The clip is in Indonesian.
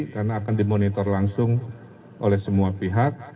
karena akan dimonitor langsung oleh semua pihak